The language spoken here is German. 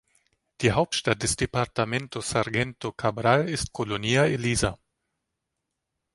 Die Hauptstadt des Departamento Sargento Cabral ist Colonia Elisa.